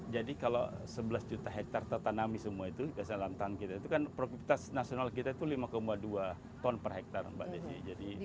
jadi kalau sebelas juta hektar tertanami semua itu biasanya lantang kita itu kan produktivitas nasional kita itu lima dua ton per hektar mbak desi